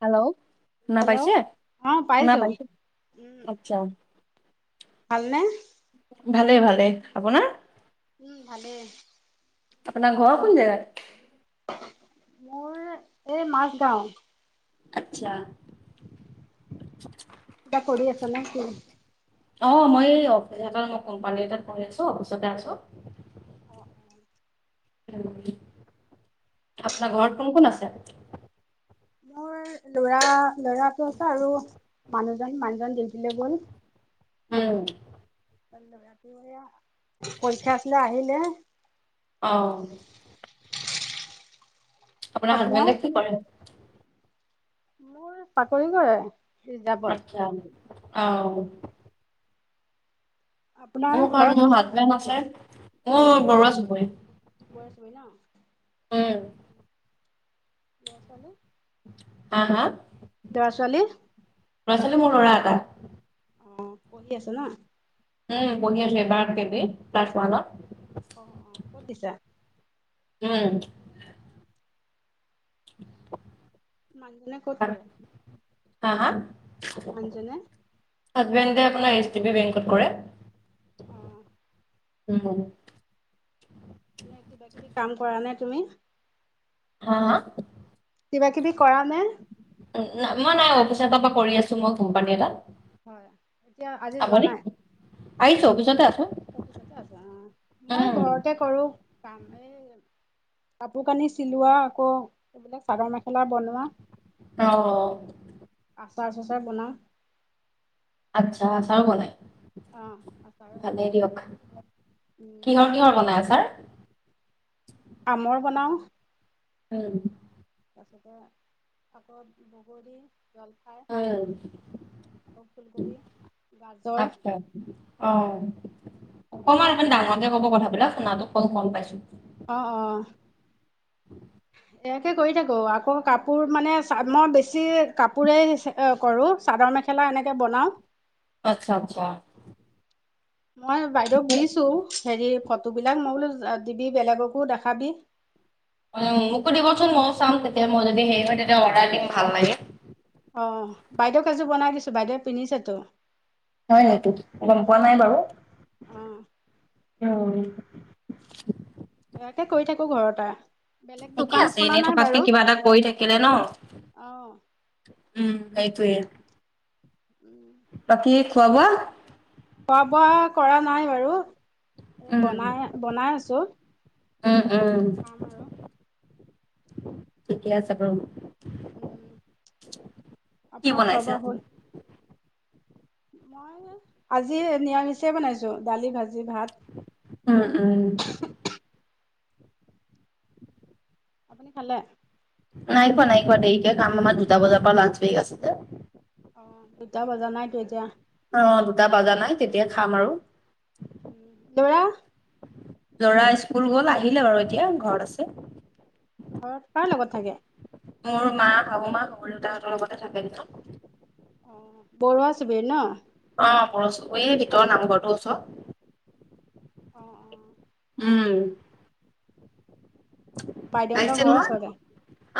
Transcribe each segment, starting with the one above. Hello. শুনা পাইছে hello শুনা পাইছো আচ্ছা। ভালনে ভালে ভালে আপোনাৰ উম ভালেই। আপোনাৰ ঘৰ কোন জেগাত? মোৰ এই মাজ গাঁও। আচ্ছা। এতিয়া কৰি আছ নে কি? অ মই এইৰ মই কোম্পানী এটাত কৰি আছো অফিচতে আছো। অঁ অ উম, আপোনাৰ ঘৰত কোন কোন আছে? মোৰ লৰা ল'ৰাটো আছে আৰু মানুহ জন মানুহজন ডিউটিলে গ'ল উম [unintelligible] পৰীক্ষা আছিলে আহিলে। অহ আপোনাৰ হাজবেণ্ডে কি কৰে? মোৰ চাকৰি কৰে। ৰিজাৰ্ভত। আচ্ছ অ অ ও ও আপোনাৰ ঘৰত মোৰ কোন কোন আছে হাজবেণ্ড অ মোৰ বৰুৱা চুবুৰী বৰ ছবি ন উম লৰা ছোৱালী হা হা, ল'ৰা ছোৱালী ল'ৰা-ছোৱালী মোৰ ল'ৰা এটা। অ পঢ়ি আছে ন? উম, পঢ়ি আছে এবাৰ কে বি ত ক্লাছ ওৱানত অ অ ক'ত দিছা? উম। মানুহজনে ক'ত কৰে? হা হা মানুহ জনে হাজবেণ্ডে আপোনাৰ এইচ ডি বি বেংকত কৰে। অ উম হুহু নে কিবা কিবি কাম কৰা নে তুমি হা হা কিবা কিবি কৰা নে? নাই মই নাই আৰু অফিচ এটাৰ পৰা কৰি আছো মই কোম্পানী এটাত হয় এতিয়া আজি যোৱা আপুনি নাই। আহিছো অফিছতে আছো। অফিচতে আছা অ মই উম, ঘৰতে কৰো, কাম এই কাপোৰ কানি চিলোৱা আকৌ এইবিলাক চাদৰ মেখেলা বনোৱা অ আচ- চাৰ তাচাৰ বনাওঁ। আচ্ছা আচাৰো বনাই। অ আচাৰ বনাওঁ ভালেই দিয়ক। উম কিহৰ কিহৰ বনাই আচাৰ? আমৰ বনাও উম তাৰপিছতে হাতত বগৰী। জলফাই অ আকৌ ফুলকবি গাজৰ আত্চ্ছা অহ। অকণমান অকন ডাঙৰকে কব কথাবিলাক শুনাতো কম গম পাইছো। অ অ ইয়াকে কৰি থাকো আকৌ কাপোৰ মানে চা মই বেছি কাপোৰে কৰো চাদৰ মে- মেখেলা এনেকে বনাও। আচ্ছা আচ্ছা। মই বাইদেউক ঠিকে দিছো হেৰি- ফটোবিলাক মই বোলো দিবি বেলেগকো দেখাবি। উম উ উ মোকো দিবচোন ময়ো চাম তেতিয়া মোৰ যদি হেৰি হয় তেতিয়া অৰ্ডাৰ দিম ভাল লাগে। অ, বাইদেউক এযোৰ বনাই দিছো বাইদেউয়ে পিন্ধিছেটো হয় নেটো, এইটোত গম পোৱা নাই বাৰু। অ উম [inaudible] ইয়াকে কৈ থাকো ঘৰতে বেলেগ ঠিকে দোকান আছে খোলা এনেই নাই থকাতকে বাৰু কিবা এটা কৰি থাকিলে ন। অ উম সেইটোৱে। বাকী এই খোৱা বোৱা খোৱা বোৱা কৰা নাই বাৰু উম বনাই বনাই আছো। উম উম খাম আৰু ঠিকে আছে বাৰু উম, কি আপোনাৰ বনাইছে খোৱা-বোৱা আজি? হ'ল। মই আ আজি নিৰামিষে বনাইছো দালি, ভাজ- উম উম আপুনি খালে? নাই খোৱা নাই খোৱা দেৰিকে খাম আমাৰ দুটা বজাৰ পৰা লাঞ্চ লেন্স বেক আছে যে। অ দুটা বজা নাইতো এতিয়া। অ দুটা বজা নাই তেতিয়া খাম আৰু। ল'ৰা? লৰা স্কুল গল আহিলে বাৰু এতিয়া ঘৰত আছে। ঘৰত কাৰ লগত থাকে। মোৰ মা, শাহুমা শহু দেউতাহঁতৰ লগতে থাকে ন। অ বৰুৱা চবে ন? অ পৰচু এই ভিতৰৰ নামঘৰটোৰ ওচৰ অ অ উম। বাইদেউহঁতৰ আহিছে ঘৰৰ নহয়, ওচৰতে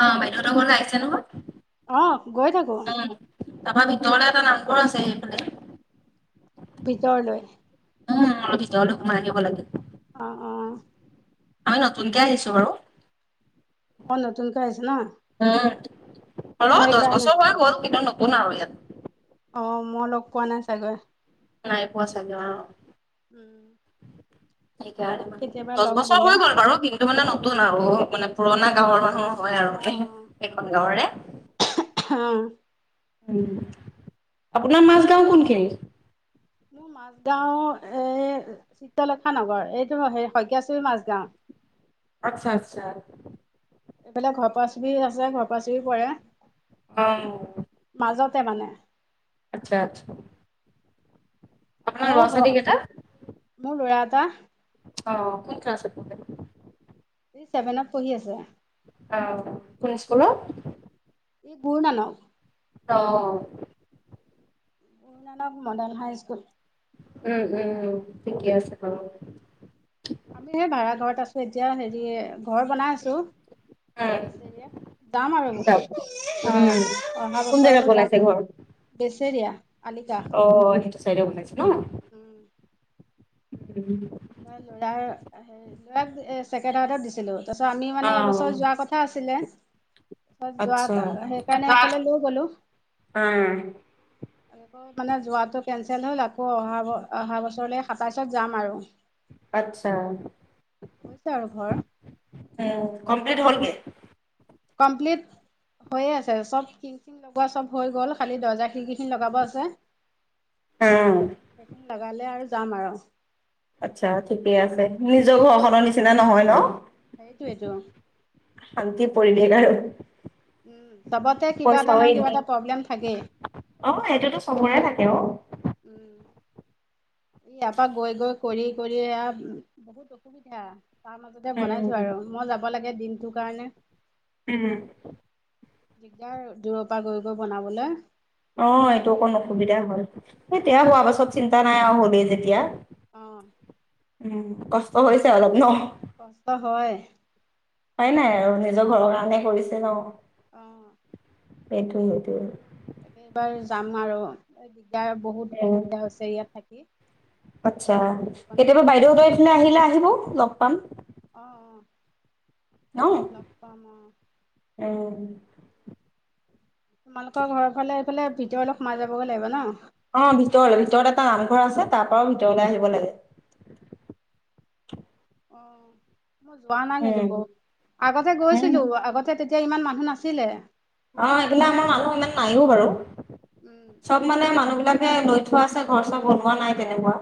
অ', বাইদেউহঁতৰ ঘৰলৈ আহিছে নহয়, অহ, গৈ থাকো। উম। তাৰপৰা ভিতৰলে এটা নামঘৰ আছে সেইফালে। ভিতৰলৈ। উম, আ ভিতৰলৈ সোমাই আহিব লাগে। অ অ। আমি নতুনকে আহিছো বাৰু। অ নতুনকৈ আহিছে না। অল দচ বছৰ হৈ গ'ল কিন্তু নতুন আৰু ইয়াত। অ, মই লগ পোৱা নাই চাগে। নাই পুৱা চাগে? উম সেইকাৰণে পাম মানে কেতিয়াবা লগ দচ বছৰ গলে হৈ গল বাৰু কিন্তু মানে নতুন অ আপোনাৰ পুৰণা গাঁৱৰ মানুহ হয় আৰু অ সেইখন গাঁৱৰে। হাঁ। উম আপোনাৰ মাজ গাও কোনখিনি? মোৰ মাজ গাও এই চিত্ৰলেখা নগৰ এইটো হ শইকীয়াশৰি মাজগাওঁ। [inaudible] আচ্ছা আচ্ছা। এইফালে ঘৰ পা চৰি আছে ঘৰ পা চি কৰে। হুম। তে মানে। আচ্ছা আচ্ছা। আপোনাৰ মোৰ ল'ৰা ছোৱালী ঘৰ কেইটা মোৰ লৰা এটা। অঁ কোন ক্লাচত পঢ়ে? চেভেনত পঢ়ি আছে। অ কোন স্কুলত? এই গুৰু নানক। অ। Guru Nanak model high school. উম উম ঠিকে আছে, হ আমি সেই ভাড়া ঘৰত আছো, এতিয়া হেৰি ঘৰ বনাই আছো। উম বেচ দিয়ে যাম আৰু যাওক অ উম অহা কোন জেগাত বছৰলৈ বনাইছে যাম আৰু। ঘৰ বেছেৰিয়া। অ সেইটো চাইডে বনাইছো ন। উম মই লৰাৰ লৰাক ছেকেণ্ড হাৰ্ডত দিছিলো। তাৰপাছত আমি অ মানে এইবছৰ যোৱাৰ কথা আছিলে। তেতিয়া আচ্ছা যোৱা সেইকাৰণে এইফালে লৈ গলো। অ আকৌ মানে যোৱাটো কেনচেল হ'ল আকৌ অহা অহা বছৰলৈ সাতাইছত যাম আৰু। আচ্ছা, হৈছে আৰু ঘৰ উম কমপ্লিট হলগে। [unintelligible] কমপ্লিট হৈয়ে আছে চব টিং চিং লগোৱা চব হৈ গ'ল। খালি দৰ্জা খিৰিকি খিনি লগাব আছে উম, সেইখিনি লগালে আৰু যাম আৰু আচ্ছা ঠিকে আছে নিজৰ ঘৰখনৰ নিচিনা নহয় ন সেইটো এইটো শান্তি পৰিৱেশ আৰু উম চবতে কিবা এটা পইচাও নহয় কিবা এনে এটা প্ৰব্লেম থাকেই অ এইটোতো চবৰে থাকে। হ। উম ইয়াৰপ পৰা গৈ গৈ কৰি কৰি আ বহুত অসুবিধা তাৰ মাজতে উম, বনাইছো আৰু মই যাব লাগে দিনটো কাৰণে? উম দিগদাৰ দূৰৰ পৰা গৈ গৈ বনাবলে? অ এইটো অকণ অসুবিধা হল এতিয়া হোৱা পাছত চিন্তা নাই আৰু হ'লেই যেতিয়া। অ' উম কষ্ট হৈছে অলপ ন। কষ্ট হয়। হয় নাই আৰু নিজৰ ঘৰৰ কাৰণে কৰিছে ন। আহ। সেইটোৱে সেইটোৱে। তাকেবাৰ যাম আৰু দিগদাৰ বহুত উম, অসুবিধা হৈছে ইয়াত থাকি? আচ্ছা নিজৰ ঘৰখন কেতিয়াবা হ'লে ভাল বাইদেউ হয়। সেইপিনে আহিলে আহিব লগ পাম। ন? নাপামা অ। উম। তোমালোকৰ ঘৰৰ ফালে এইফালে ভিতৰ অলপ সোমাই যাবগৈ লাগিব ন। অ ভিতৰলৈ ভিতৰত এটা নামঘৰ আছে তাৰ পাও ভিতৰলৈ আহিব লাগে অ', মই যোৱা নাই কিন্তু উম বৌ, আগতে উম গৈছিলো আগতে তেতিয়া ইমান মানুহ নাছিলে। অ এইবিলা আমাৰ মানুহ ইমান নাইও বাৰু উম, চব মানে মানুহ। বিলাকে লৈ থোৱা আছে ঘৰ চৰ বনোৱা নাই তেনেকুৱা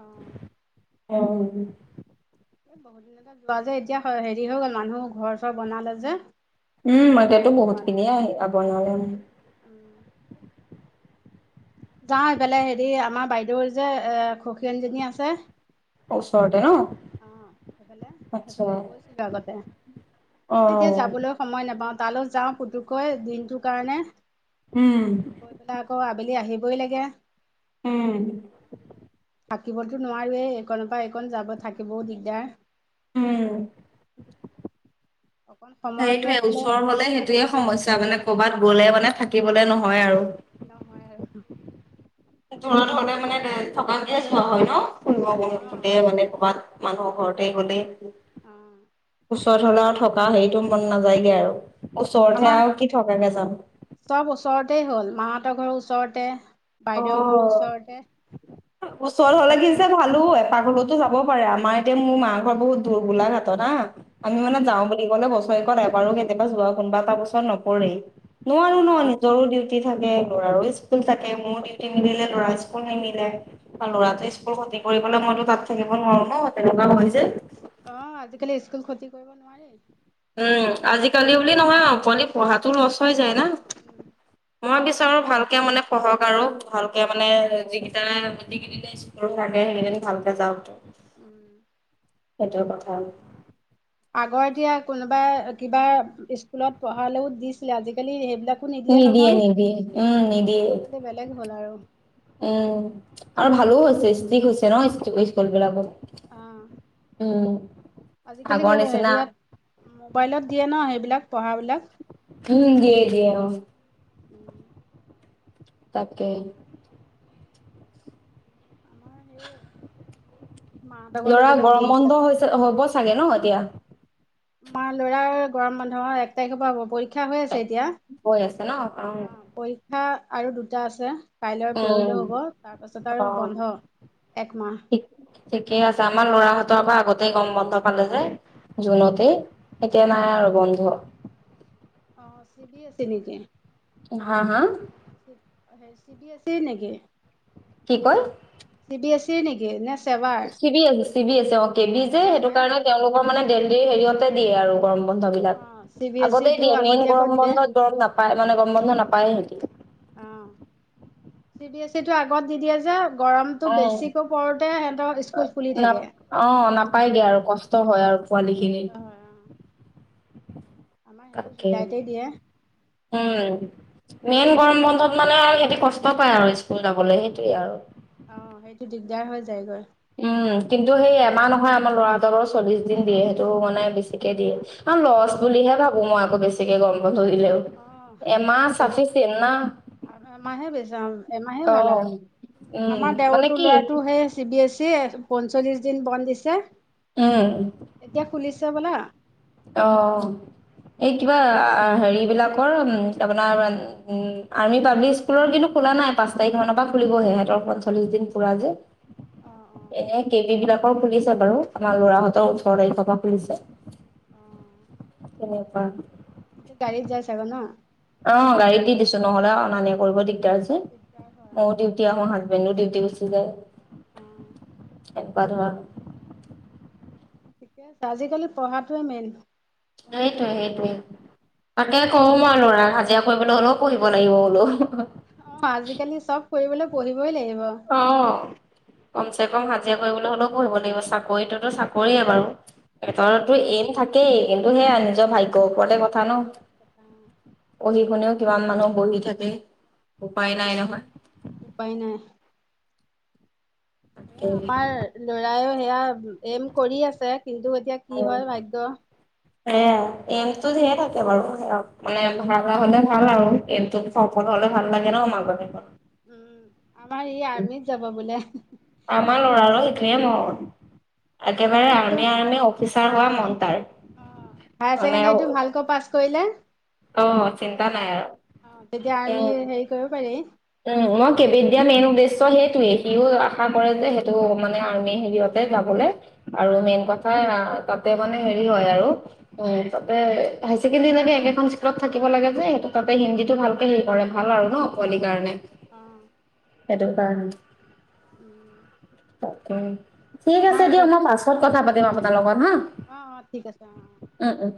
অঁ অ। এ বহুত দিনতে যোৱা যে এতিয়া হেৰি হৈ গ'ল মানুহ ঘৰ চৰ বনালে যে উম মইতিয়াতো যোৱাই বহুত হোৱা নাই। খিনিয়ে আহ বনে উম। যাওঁ সেইফালে হেৰি আমাৰ বাইদেউৰ যে এ খূখেনজনী আছে। ওচৰতে ন। আহ সেইফালে, আচ্ছা সেইফালে গৈছিলো আগতে। এ অ এতিয়া যাবলৈ সময় নাপাওঁ তালৈ যাওঁ পুতুকৈ দিনটোৰ কাৰণে উম গৈ পেলাই আকৌ। আবেলি আহিবই লাগে। উম থাকিবতো নোৱাৰোৱেই এইনৰ পৰা এইকণ যাব থাকিবও দিগদাৰ। উম অকণ সময় উলিয়াই সেইটোয়ে গ'লে ওচৰৰ হলে সেইটোয়ে সমস্যা মানে কৰবাত গলে মানে থাকিবলে নহয় আৰু নহয় আৰু দূৰত হলে মানে থকা দিয়া চোৱা হয় ন ফোন ব অ', উৎপতীয়া মানে কৰ'ৰবাত মানুহৰ ঘৰতে গ'লে উম। ওচৰত হ'লে আৰু থকা হেৰিটো মন নাযায়গে আৰু। ওচৰতহে আমাৰ আউ কি থকাকে যাম হেতৰ ঘৰ ওচৰতে অ বাইদেউৰ ঘৰৰ ওচৰতে ওচৰত হলে থাক কি যে ভালো হয় পাকঘলতো যাব পাৰে আমাৰ এতিয়া মোৰ মা ঘৰ বহুত দূৰ গোলাঘাটত হা আমি মানে অ', যাওঁ বুলি ক'লে বছৰ কত এবাৰো কেতিয়াবা যোৱা কোনোবা এটা বছৰত নপৰেই নোৱাৰো ন অ', নিজৰোউ? থাকে ল'ৰো স্কুল থাকে মোৰ ডিউটি মিলিলে ল'ৰা স্কুল নিমিলে? উম, ল'ৰাটো স্কুল খতি কৰিবলে মইতো তাত থাকিব নোৱাৰো ন তেনেকুৱা হয় যে। আহ আজিকালি স্কুল ক্ষতি কৰিব নোৱাৰি উম' আজিকালি বুলি নহয় আৰু পঢ়াতো লচ হৈ যায় না। উম, তাও ভালকে মানে পহক আৰু ভালকে মানে অ', যিকিটাৰে থাকে সেইখিনি ভালকে যাওক। উম। সেইটো কথা আগৰ এতিয়া কোনোবা কিবা স্কুলত পঢ়ালেও দিছিলে আজিকালি সেইবিলাক? নিদিয়ে নিদিয়ে উম নিদিয়ে আজিকালি বেলেগ হ'ল আৰু উম আৰু ভালো হৈছে ষ্টিক হৈছে ন ইষ্টো স্কুল বিলাকত অ উম আজিকালি আগৰ নিচিনা হেৰিয়াত মোবাইলত দিয়ে ন সেইবিলাক পঢ়া বিলাক উম দিয়ে দিয়ে উম। উম তাকে আমাৰ সেই [inaudible] মাহঁতৰ ঘৰলৈ লৰা গ'লেও গৰম বন্ধ দিনতীয়াকৈ যাব হৈছে লাগে হ'ব চাগে ন এতিয়া। আমাৰ ল'ৰাৰ গৰম বন্ধ হল এক তাৰিখৰ পৰা হ'ব পৰিক পৰীক্ষা হৈ আছে এতিয়া গৈ আছে ন অ পৰীক্ষা আৰু দুটা আছে কাইলৈ আৰু অ পৰহিলও উম হব তাৰ পাছত আৰু অ বন্ধ। একমাহ ঠিক ঠিকেই আছে আমাৰ লৰাহতৰ পৰা আগতেই গৰম বন্ধ পালে যে। জুনতে এতিয়া নাই আৰু বন্ধ অ চি বি আছে নিকী? হা হা চি বি আছে নেকি কি কয়। তে নেকি নেচ চি বি আছে চি বি আছে অ কেবি যে সেইটো সেইকাৰণে কাৰণে তেওঁলোকৰ মানে ড দেৰি হেৰিয়তে দিয়ে আৰু- গৰম বন্ধ বিলাক- অ চি বি এছ আগতেই ইটো দিয়ে মেইন আগতীয়াকৈ গৰম দিয়ে বন্ধত গৰম নাপায় মানে গৰম বন্ধ নাপায় হেতি অ', চি বি এছ ই টো আগত দি দিয়ে যে- গৰমটো অ', বেছিকৈ পৰোতে সিহঁতৰ স্কুল খুলি থাকে নাপ অ নাপাইগে আৰু কষ্ট হয় আৰু। পোৱালিখিনি অঁ তাকে দিয়ে উম মেইন গৰম বন্ধত মানে আৰু সিহঁতি কষ্ট পায় আৰু স্কুল যাবলৈ সেইটোৱে আৰু অ সেইটো দিগদাৰ হৈ যায়গৈ উম কিন্তু সেই এমাহ নহয় আমাৰ লৰাহতৰ বাৰু চল্লিশ দিন দিয়ে সেইটো মানে বেছিকে দিয়ে অ লচ বুলিহে ভাবো মই আকৌ বেছিকে গম দিলে অ এমাহ তাকেতো চাফি চিন না এমাহে বেছাম এমাহে ভাল অহ আৰু। উম আমাৰ মানে দেওৰতো কি ল'ৰাটো সেই চি বি এছ ই পঞ্চল্লিছ দিন বন্ধ দিছে উম এতিয়া খুলিছে হ'বলা। অ। এই কিবা আ হেৰি বিলাকৰ আপোনাৰ উম আৰ্মি পাব্লিক স্কুলৰ কিন্তু- খোলা নাই পাঁচ তাৰিখৰ পৰা খুলিব সিহঁতৰখন চল্লিশ দিন পুৰা যে। অ অ এনে কে পঞ্চল্লিছ বি দিন বিলাকৰ খুলিছে বাৰু আমাৰ ল'ৰাহঁতৰ ওঠৰ তাৰিখৰ পৰা খুলিছে। অ কেনেকুৱা? এতিয়া গাড়ীত যাই চাগৈ ন অ', গাড়ীত দি দিছো, নহ'লে অনা নিয়া কৰিব দি [unintelligible] যে, দিগদাৰ হয় মওঁ ডিউটী আহোঁ, হাজবেণ্ডো দিউটি গুচি যায়। অ', একবাৰ ধৰ ঠিকে আছে, আজিকালি পঢ়াটোৱে মেইন। সেইটোয়ে সেইটোৱেই তাকে কওঁ মই ল'ৰাক হাজিৰা কৰিবলৈ হ'লেও পঢ়িব লাগিব বোলো। আহ আজিকালি চব কৰিবলৈ পঢ়িবই লাগিব। কম চে কম হাজিৰা কৰিবলৈও হ'লেও পঢ়িব লাগিব, চাকৰিটোতো চাকৰিয়ে বাৰু। [unintelligible] আজি এইটো থাকেই, কিন্তু সেয়া নিজৰ ভাই গম পোৱাতে কথা ন ভাগ্যৰ কথা পঢ়ি শুনেও কিমান মানুহ বহি থাকে উপায় নাই নহয় উপাই নাই। এ আমাৰ তাকে লৰাইয়ও সেয়া এম কৰি আছে কিন্তু এতিয়া কি হয় ভাগ্য। হ এমটো ধিয়ে থাকে বাৰু মানে উম, ভ হলে ভাল আৰু এু স [unintelligible] ল হ'লে ভাল লাগে ন মাজনী ঘট উম আমাৰ ই আৰ্মিত যাব বোলে। আমাৰ লৰাাৰ সেইখিনিয়ে মৰ মই একেবাৰে কৈছো আমি আ অফিচ- [unintelligible] হোৱা মন তাৰ। অ মানে অ হাইছেকেণ্ডেৰিটো ভালকৈ পাছ কৰিলে চিন্তা তেতিয়া নাই আৰ্মি আৰু অ তেতিয়া আৰ্মি হেৰি কৰিব পাৰি। উ মই কেবিধ দিয়া মেইন উদ্দেশ্য সেইটোয়ে সিও আশা কৰে যে সেইটো মানে আৰ্মি হেৰিয়তে গাবলে আৰু উম, মেইন কথা- তাতে মানে হেৰি হয় আৰু অ তাতে হাই ছেকেণ্ডাৰী লকে একেখন স্কুলত থাকিব লাগে যে সেইটো তাতে হিন্দীতো ভালকে হেৰি কৰে ভাল আৰু ন পোৱালিৰ কাৰণে। অ'। সেইটো কাৰণে- উম। ঠিক আমাৰ আছে দিয় অ', মই পাছত কথা পাতিম আপোনাৰ লগত হা। অ', ঠিক আছে অ', অ'। আ উম।